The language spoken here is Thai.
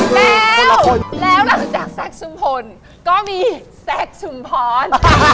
แล้วแล้วนอกจากแซคชุมพลก็มีแซคชุมพร